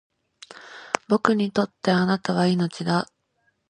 僕にとって貴方は命だ